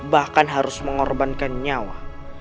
bahkan harus mengorbankan nyawa